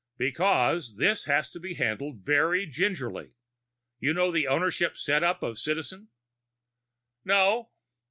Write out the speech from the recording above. "Because this has to be handled very gingerly. You know the ownership setup of Citizen?" "No."